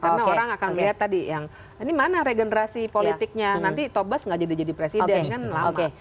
karena orang akan melihat tadi yang ini mana regenerasi politiknya nanti tobas nggak jadi jadi presiden kan lama